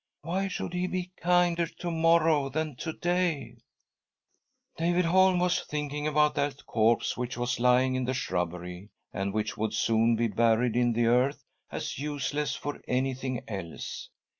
Why should he be kinder to morrow than to day ?" David Holm was thinking about that corpse which was lying in the shrubbery, and which would soon be buried in the earth as useless for anything else.